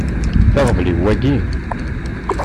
D aɣbel-iw wagi?